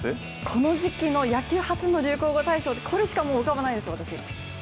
この時期の野球初の流行語大賞、これしか浮かばないです、私。